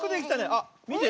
あっみて。